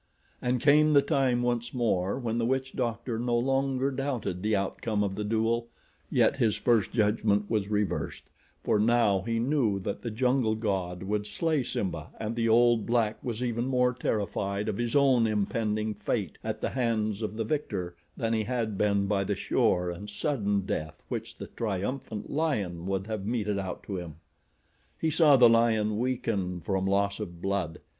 And came the time once more when the witch doctor no longer doubted the outcome of the duel, yet his first judgment was reversed, for now he knew that the jungle god would slay Simba and the old black was even more terrified of his own impending fate at the hands of the victor than he had been by the sure and sudden death which the triumphant lion would have meted out to him. He saw the lion weaken from loss of blood.